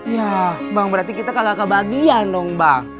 ya bang berarti kita kalah kebahagiaan dong bang